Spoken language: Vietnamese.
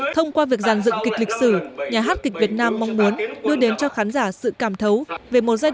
thông qua việc giàn dựng kịch lịch sử nhà hát kịch việt nam mong muốn đưa đến cho khán giả sự cảm nhận